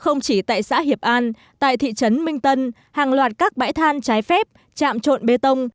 không chỉ tại xã hiệp an tại thị trấn minh tân hàng loạt các bãi than trái phép chạm trộn bê tông